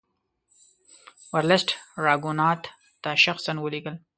ورلسټ راګونات ته شخصا ولیکل.